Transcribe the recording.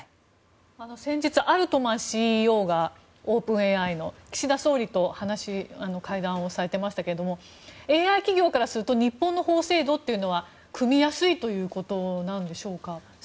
先日、アルトマンＣＥＯが岸田総理と会談をされていましたがＡＩ企業からすると日本の法制度は組みやすいということなんでしょうか。